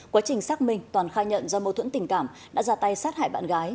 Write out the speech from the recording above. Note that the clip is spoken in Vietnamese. quá trình sát mình toàn khai nhận do mâu thuẫn tình cảm đã ra tay sát hại bạn gái